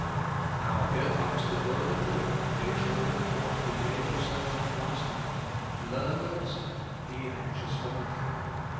Now here comes the word of God, dear children of God who g"ave yourselves up last night, learn the lesson, "Be anxious for noth ing